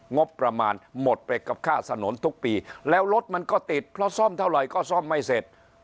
งบประมาณหมดไปกับค่าสนุนทุกปีแล้วรถมันก็ติดเพราะซ่อมเท่าไหร่ก็ซ่อมไม่เสร็จ